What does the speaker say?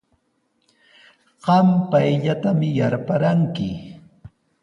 Qam payllatami yarparanki.